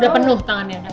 udah penuh tangannya